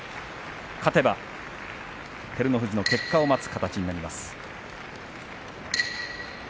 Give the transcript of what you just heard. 勝てば照ノ富士の結果を待つ形になります。